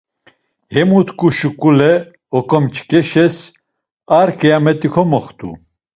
Hemu tku şkule oǩomç̌ǩeşas ar ǩiyameti komoxtu.